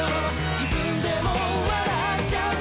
自分でも笑っちゃうくらい」